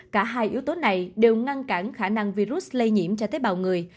cả hai yếu tố này đều ngăn cản khả năng virus lây nhiễm cho tế bào người